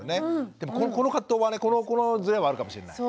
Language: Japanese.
でもこの葛藤はねこのズレはあるかもしれない。